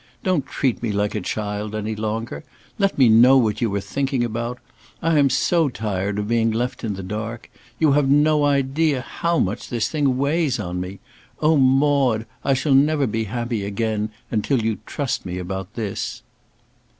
don't treat me like a child any longer! let me know what you are thinking about! I am so tired of being left in the dark! You have no idea how much this thing weighs on me. Oh, Maude, I shall never be happy again until you trust me about this."